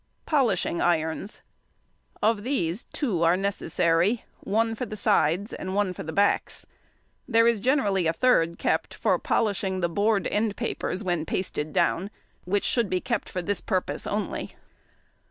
Polishing irons. Of these two are necessary—one for the sides and one for the backs. There is generally a third |119| kept for polishing the board end papers when pasted down, which should be kept for this purpose only.